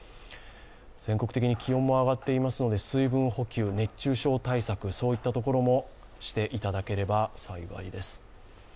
全国的に気温も上がっていますので水分補給、熱中症対策もしていただければ幸いです。